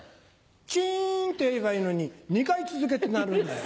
チンっていえばいいのに２回続けて鳴るんだよ。